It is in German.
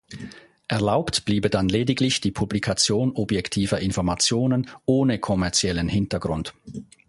Erlaubt bliebe dann lediglich die Publikation objektiver Informationen ohne kommerziellen Hintergrund.